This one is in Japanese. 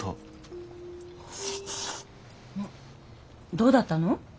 どうだったの？